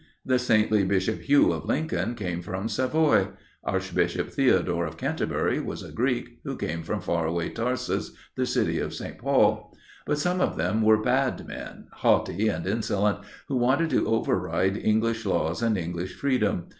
The saintly Bishop Hugh of Lincoln came from Savoy. Archbishop Theodore of Canterbury was a Greek, who came from far away Tarsus, the city of St. Paul. But some of them were bad men, haughty and insolent, who wanted to override English laws and English freedom.